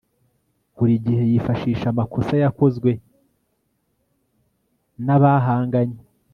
buri gihe yifashisha amakosa yakozwe na bahanganye